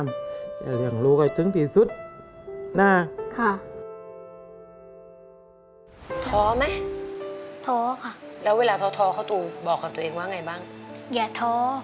มันฮึบได้ไหมเพราะบอกตัวเองว่าอย่าท้อ